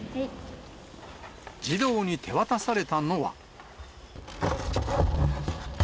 児童に手渡されたのは。